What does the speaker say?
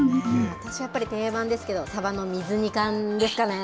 私やっぱり定番ですけど、サバの水煮缶ですかね。